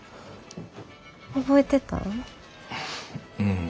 覚えてたん？